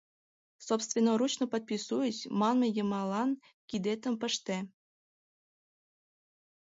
— «Собственноручно подписуюсь» манме йымалан кидетым пыште!